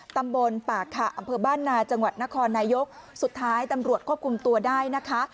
ตำบลป่าขะอำเภอบ้านนาจังหวัดนครนายกสุดท้ายตำรวจควบคุมตัวได้นะคะ